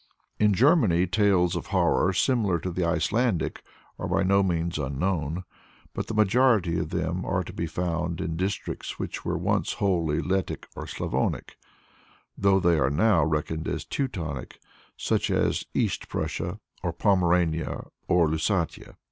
In Germany tales of horror similar to the Icelandic are by no means unknown, but the majority of them are to be found in districts which were once wholly Lettic or Slavonic, though they are now reckoned as Teutonic, such as East Prussia, or Pomerania, or Lusatia.